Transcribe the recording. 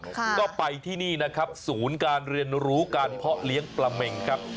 ก็ไปที่นี่นะครับศูนย์การเรียนรู้การเพาะเลี้ยงปลาเม็งครับ